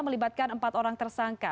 melibatkan empat orang tersangka